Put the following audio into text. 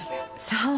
そう？